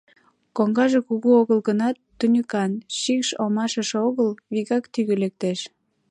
Коҥгаже кугу огыл гынат, тӱньыкан, шикш омашыш огыл, вигак тӱгӧ лектеш.